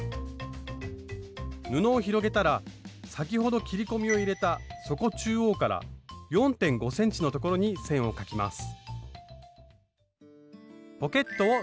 布を広げたら先ほど切り込みを入れた底中央から４．５ｃｍの所に線を描きます